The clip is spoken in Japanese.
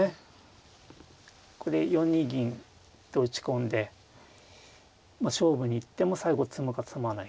ここで４二銀と打ち込んで勝負に行っても最後詰むか詰まないか。